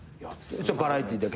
バラエティーだけ？